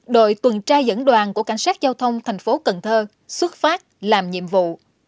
đội tuần tra dẫn đoàn của cảnh sát giao thông tp cn xuất phát làm nhiệm vụ